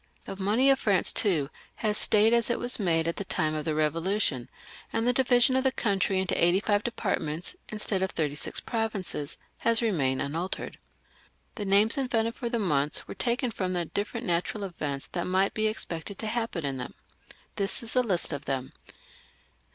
The money of France too, has stayed as it was made at the time of the Eevolution, and the division of the country into eighty five departments, The names invented for the months were taken from the different natural events that might be expected to happen in them. This is a list of them.